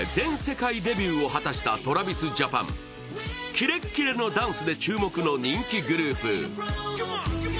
キレッキレのダンスで注目の人気グループ。